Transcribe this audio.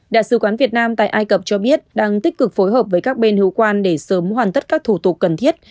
đại sứ quán việt nam tại ai cập cho biết đang tích cực phối hợp với các bên hữu quan để sớm hoàn tất các thủ tục cần thiết